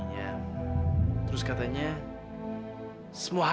hai satu itu nggak hoa